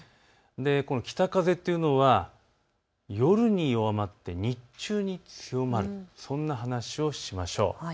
この北風というのは夜に弱まって日中に強まる、そんな話をしましょう。